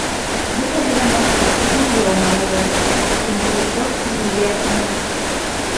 Бөтәһе лә матур, күҙ яуын алырлыҡ, ләкин был икәү күңелгә яҡыныраҡ.